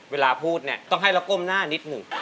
เวลาพูดเนี่ยต้องให้เราก้มหน้านิดหนึ่ง